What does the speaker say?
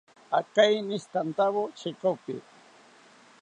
Akeinishitantawo chekopi